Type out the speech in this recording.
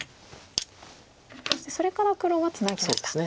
それから黒はツナぎました。